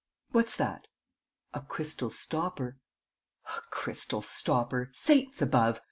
"What's that?" "A crystal stopper." "A crystal stopper.... Saints above!